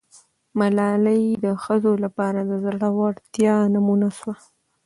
ملالۍ د ښځو لپاره د زړه ورتیا نمونه سوه.